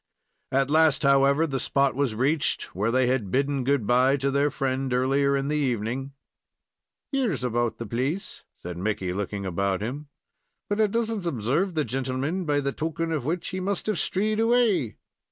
At last, however, the spot was reached where they had bidden good bye to their friend, earlier in the evening. "Here's about the place," said Mickey, looking about him; "but I does n't observe the gintleman, by the token of which he must have strayed away.